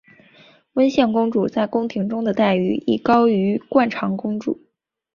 温宪公主在宫廷中的待遇亦高于惯常公主。